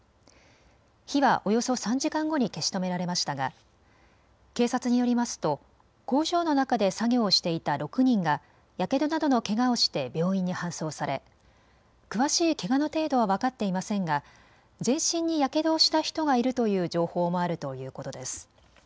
火はおよそ３時間後に消し止められましたが警察によりますと工場の中で作業をしていた６人がやけどなどのけがをして病院に搬送され詳しいけがの程度は分かっていませんが全身にやけどをした人がいるという情報もあるということです。